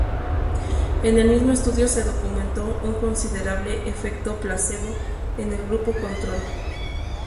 En el mismo estudio se documentó un considerable efecto placebo en el grupo control.